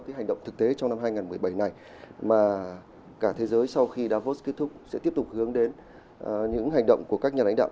cái hành động thực tế trong năm hai nghìn một mươi bảy này mà cả thế giới sau khi davos kết thúc sẽ tiếp tục hướng đến những hành động của các nhà lãnh đạo